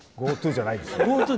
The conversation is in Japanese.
「ＧｏＴｏ」じゃないですね。